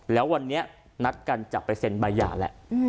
แล้ววันนี้นัดการจับไปเซ็นต์บายหย่าแหละอืม